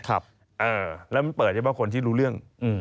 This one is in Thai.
แล้วมันเปิดเฉพาะคนที่รู้เรื่อง